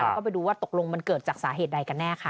แล้วก็ไปดูว่าตกลงมันเกิดจากสาเหตุใดกันแน่ค่ะ